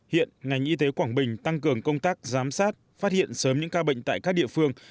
hiện ngành y tế quảng bình tăng cường công tác giám sát phát hiện sớm những ca bệnh tại các địa phương